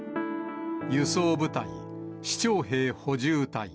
輸送部隊、輜重兵補充隊。